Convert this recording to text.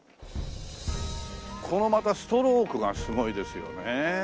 このまたストロークがすごいですよねえ。